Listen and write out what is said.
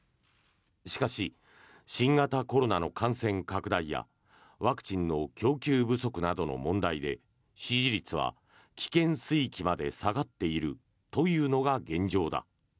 しかし、新型コロナの感染拡大やワクチンの供給不足などの問題で支持率は危険水域まで下がっているというのが現状だ。